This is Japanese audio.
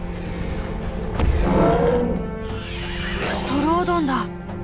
トロオドンだ。